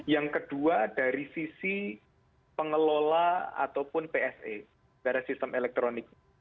yang kedua dari sisi pengelola ataupun pse dari sistem elektronik